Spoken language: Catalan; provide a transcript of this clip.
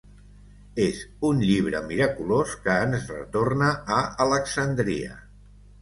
És un llibre miraculós, que ens retorna a Alexandria.